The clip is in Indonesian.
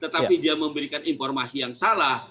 tetapi dia memberikan informasi yang salah